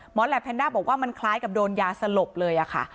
แหลปแนนด้าบอกว่ามันคล้ายกับโดนยาสลบเลยค่ะ